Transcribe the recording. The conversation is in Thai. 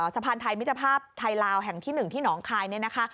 สะพานไทยมิตรภาพไทยลาวแห่งที่๑ที่หนองคายเนี่ยนะคะ